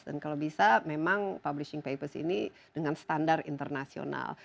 dan kalau bisa memang publishing papers ini dengan standar internasional